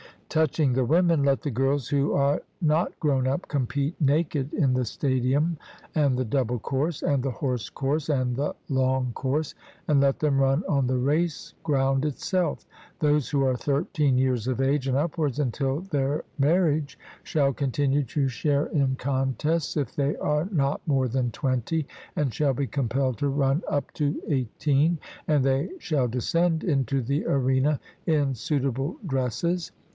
Touching the women, let the girls who are not grown up compete naked in the stadium and the double course, and the horse course and the long course, and let them run on the race ground itself; those who are thirteen years of age and upwards until their marriage shall continue to share in contests if they are not more than twenty, and shall be compelled to run up to eighteen; and they shall descend into the arena in suitable dresses.